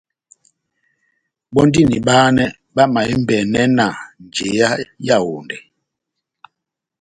Bɔ́ndini bahanɛ bamahembɛnɛ na njeya yá Yawondɛ.